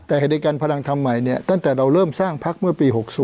แต่เหตุการณ์พลังทำใหม่เนี่ยตั้งแต่เราเริ่มสร้างพักเมื่อปี๖๐